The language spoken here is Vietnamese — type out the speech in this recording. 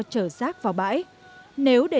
chở rác vào bãi nếu để